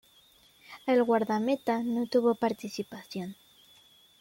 El guardameta no tuvo participación.